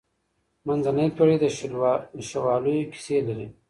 منځنۍ پېړۍ د شواليو کيسې لري.